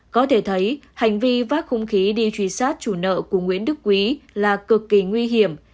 có thể thấy hành vi vác khung khí đi truy sát chủ nợ của nguyễn đức quý là cực kỳ nguy hiểm